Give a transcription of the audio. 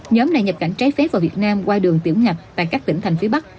nhóm này nhập cảnh trái phép vào việt nam qua đường tiểu ngạch tại các tỉnh thành phía bắc